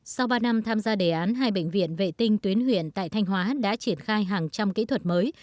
sau ba năm tham gia đề án hai bệnh viện vệ tinh tuyến huyện tại thanh hóa đã triển khai hàng trăm kỹ thuật mới